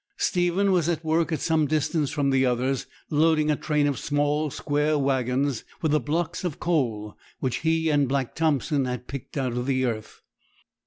Stephen was at work at some distance from the others, loading a train of small square waggons with the blocks of coal which he and Black Thompson had picked out of the earth.